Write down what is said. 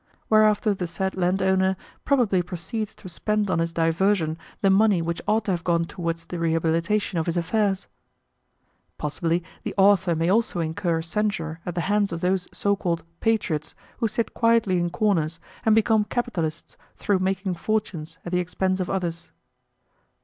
Whereafter the said landowner probably proceeds to spend on his diversion the money which ought to have gone towards the rehabilitation of his affairs. Possibly the author may also incur censure at the hands of those so called "patriots" who sit quietly in corners, and become capitalists through making fortunes at the expense of others.